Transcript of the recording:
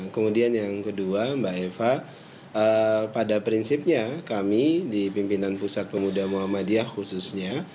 kemudian yang kedua mbak eva pada prinsipnya kami di pimpinan pusat pemuda muhammadiyah khususnya